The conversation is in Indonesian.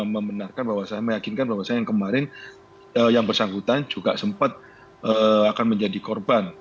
membenarkan bahwa saya meyakinkan bahwa saya yang kemarin yang bersangkutan juga sempat akan menjadi korban